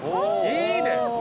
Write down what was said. いいね！